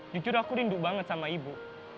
jujur aku rindu banget sama ibu